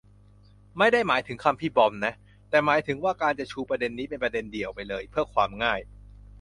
ไม่ได้หมายถึงคำพี่บอมนะ แต่หมายถึงว่า การจะชูประเด็นนี้เป็นประเด็นเดี่ยวไปเลย เพือความง่าย